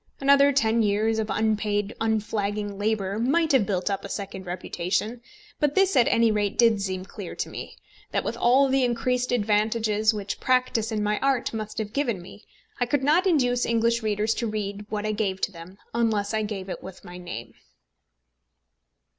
Another ten years of unpaid unflagging labour might have built up a second reputation. But this at any rate did seem clear to me, that with all the increased advantages which practice in my art must have given me, I could not at once induce English readers to read what I gave to them, unless I gave it with my name.